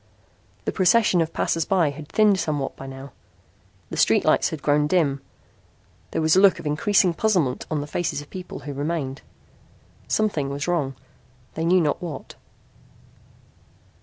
The procession of passers by had thinned somewhat by now. The street lights had grown dim. There was a look of increasing puzzlement on the faces of the people who remained. Something was wrong. They knew not what.